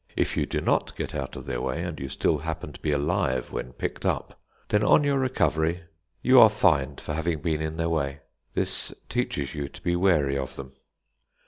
If you do not get out of their way, and you still happen to be alive when picked up, then on your recovery you are fined for having been in their way. This teaches you to be wary of them.